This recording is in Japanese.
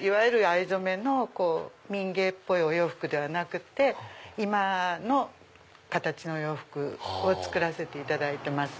いわゆる藍染めの民芸っぽいお洋服ではなくて今の形の洋服を作らせていただいてます。